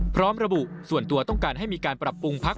พร้อมระบุส่วนตัวต้องการให้มีการปรับปรุงพัก